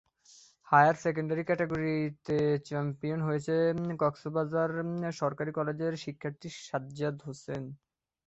Higher secondary ক্যাটাগরিতে champion হয়েছে কক্সবাজার সরকারি কলেজের শিক্ষার্থী সাজ্জাদ হোসেন।